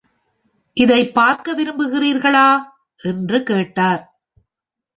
இதைப் பார்க்க விரும்புகிறீர்களா? என்று கேட்டார்.